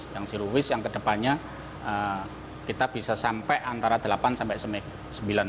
yang zero waste yang kedepannya kita bisa sampai antara delapan sampai sembilan